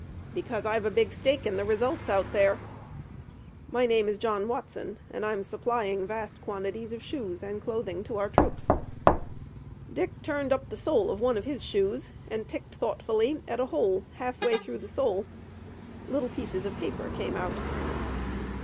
"Because I've a big stake in the results out there. My name is John Watson, and I'm supplying vast quantities of shoes and clothing to our troops." Dick turned up the sole of one of his shoes and picked thoughtfully at a hole half way through the sole. Little pieces of paper came out.